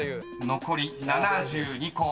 ［残り７２個。